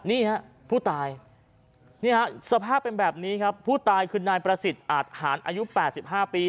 นี่ฮะผู้ตายนี่ฮะสภาพเป็นแบบนี้ครับผู้ตายคือนายประสิทธิ์อาทหารอายุ๘๕ปี